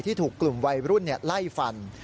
ถูกกลุ่มวัยรุ่นไล่ฟัน